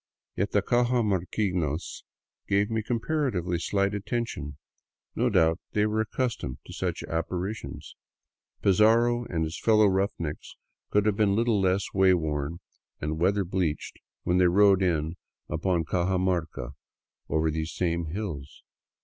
Yet the cajamarquinos gave me comparatively slight attention. No doubt they were accustomed to such apparitions; Pizarro and his fellow roughnecks could have been little less wayworn and weather bleached when they rode in upon Cajamarca over these same hills.